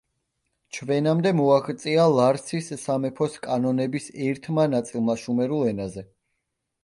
ჩვენამდე მოაღწია ლარსის სამეფოს კანონების ერთმა ნაწილმა შუმერულ ენაზე.